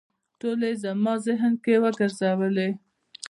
ټولې یې زما ذهن کې وګرځېدلې.